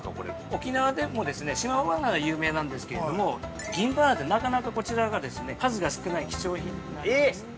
◆沖縄でも島バナナが有名なんですけれども、銀バナナって、なかなかこちらがですね、数が少ない貴重品になります。